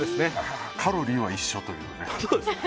カロリーは一緒という。